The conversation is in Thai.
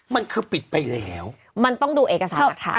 มันคือปิดไปแล้วมันต้องดูเอกสารนะคะ